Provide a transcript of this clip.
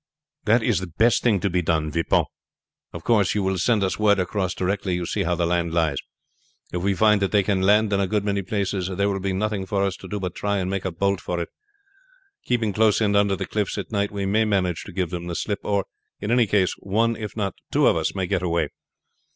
"That is the best thing to be done, Vipon. Of course you will send us word across directly you see how the land lies. If we find that they can land in a good many places, there will be nothing for us to do but try and make a bolt for it. Keeping close in under the cliffs at night we may manage to give them the slip, or in any case one if not two of us may get away.